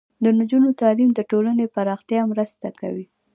د نجونو تعلیم د ټولنې پراختیا مرسته کوي.